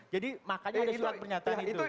jadi makanya ada surat pernyataan itu